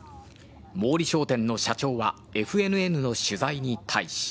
毛利商店の社長はＦＮＮの取材に対し。